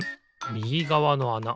みぎがわのあな